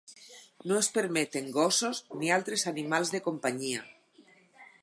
No es permeten gossos ni altres animals de companyia.